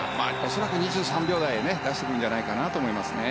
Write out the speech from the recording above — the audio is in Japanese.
恐らく２３秒台を出してくるんじゃないかなと思いますね。